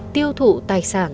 tiêu thụ tài sản